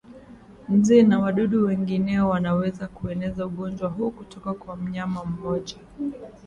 Nzi na wadudu wengineo wanaweza kuueneza ugonjwa huu kutoka kwa mnyama mmoja